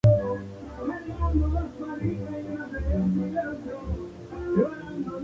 En el Perú se distribuye en la cuenca del río Amazonas.